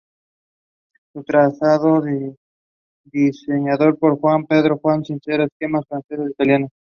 Su trazado, diseñado por Juan Pedro Arnal, sintetiza esquemas franceses e italianos.